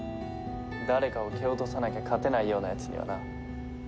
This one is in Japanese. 誰かを蹴落とさなきゃ勝てないようなやつにはな。